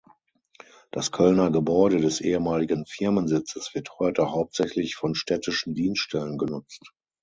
Das Kölner Gebäude des ehemaligen Firmensitzes wird heute hauptsächlich von städtischen Dienststellen genutzt.